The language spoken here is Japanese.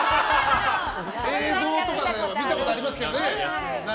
映像とかで見たことありますけどね。